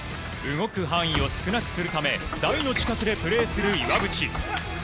動く範囲を少なくするため台の近くでプレーする岩渕。